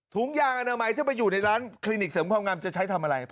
ถุงยางอนามัยถ้าไปอยู่ในร้านคลินิกเสริมความงามจะใช้ทำอะไร